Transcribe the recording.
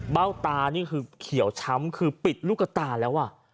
ตานี่คือเขียวช้ำคือปิดลูกตาแล้ว